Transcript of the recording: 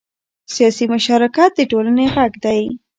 سیاسي مشارکت د ټولنې غږ دی